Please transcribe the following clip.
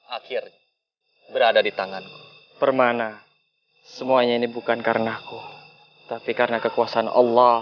akhir berada di tangan permana semuanya ini bukan karena aku tapi karena kekuasaan allah